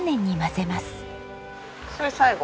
それ最後？